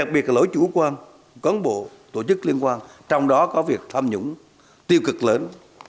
việc lỗi chủ quan cấn bộ tổ chức liên quan trong đó có việc tham nhũng tiêu cực lớn